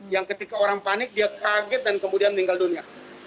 yang ketika orang panik dia kaget dan kemudian meninggal dunia